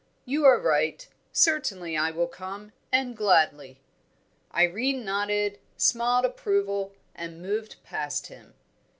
"You are right. Certainly I will come, and gladly." Irene nodded, smiled approval, and moved past him.